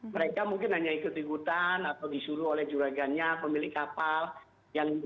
mereka mungkin hanya ikut ikutan atau disuruh oleh juragannya pemilik kapal